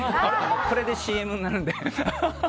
これでＣＭになるので。